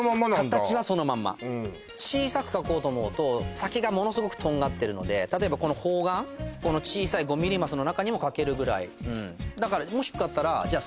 形はそのまんま小さく書こうと思うと先がものすごくとんがってるのでたとえばこの方眼この小さい５ミリマスの中にも書けるぐらいだからもしよかったらじゃあ